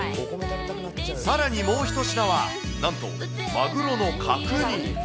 さらにもう一品は、なんとマグロの角煮。